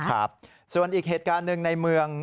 ครับส่วนอีกเหตุการณ์หนึ่งในเมือง